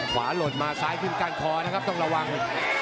ขวาหลดมาซ้ายถึงกาหนคอนะครับต้องระวัง